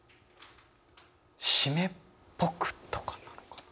「湿っぽく」とかなのかな。